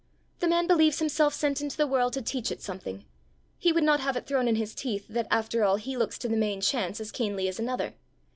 The man believes himself sent into the world to teach it something: he would not have it thrown in his teeth that, after all, he looks to the main chance as keenly as another!